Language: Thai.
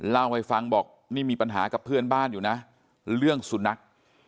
เล่าให้ฟังบอกนี่มีปัญหากับเพื่อนบ้านอยู่นะเรื่องสุนัข